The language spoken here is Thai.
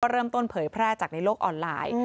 เริ่มต้นเผยแพร่จากในโลกออนไลน์